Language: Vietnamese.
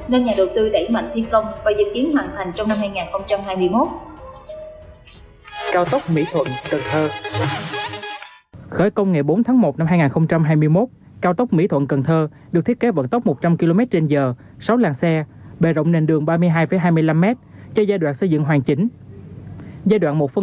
vừa đề xuất bộ công ty đầu tư làm tuyến cầu tốc hạ tiên rạch giá bạc liêu